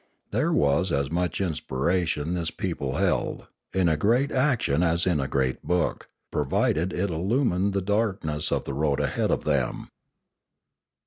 There was as much inspiration, this people held, in a great action as in a great book, provided it illumined the darkness of the road ahead of them.